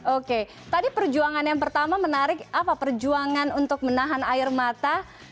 oke tadi perjuangan yang pertama menarik apa perjuangan untuk menahan air mata